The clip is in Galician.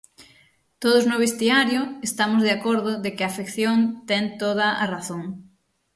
Todos no vestiario estamos de acordo de que a afección ten toda a razón.